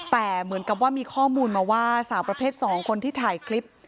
แต่เหมือนกับว่ามีข้อมูลมาว่าสาวประเภท๒คนที่ถ่ายคลิป